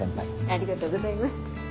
ありがとうございます。